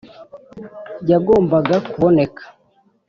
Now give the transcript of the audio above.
yagombaga kuboneka.